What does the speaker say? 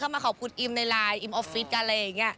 มาขอบคุณอิมในไลน์อิมออฟฟิศอะไรอย่างนี้